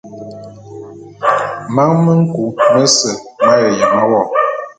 Man me nku mese m'aye yeme wo.